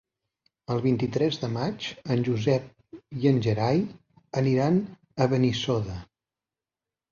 El vint-i-tres de maig en Josep i en Gerai aniran a Benissoda.